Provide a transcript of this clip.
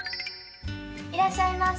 いらっしゃいませ。